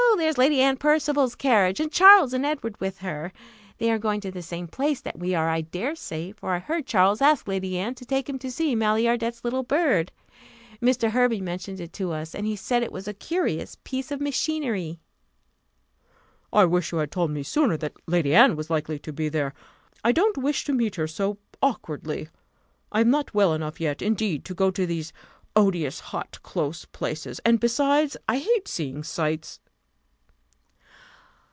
there's Lady Anne Percival's carriage, and Charles and Edward with her they are going to the same place that we are, I dare say, for I heard Charles ask Lady Anne to take him to see Maillardet's little bird Mr. Hervey mentioned it to us, and he said it was a curious piece of machinery." "I wish you had told me sooner that Lady Anne was likely to be there I don't wish to meet her so awkwardly: I am not well enough yet, indeed, to go to these odious, hot, close places; and, besides, I hate seeing sights."